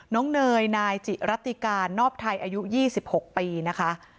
เนยนายจิรัติการนอบไทยอายุ๒๖ปีนะคะ